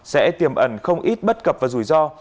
sẽ tiềm ẩn không ít bất cập và rủi ro